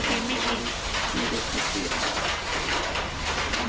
ไม่ฉีดไม่ฉีด